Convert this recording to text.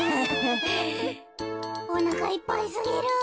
おなかいっぱいすぎる。